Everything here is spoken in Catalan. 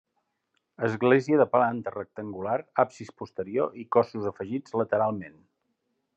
Església de planta rectangular absis posterior i cossos afegits lateralment.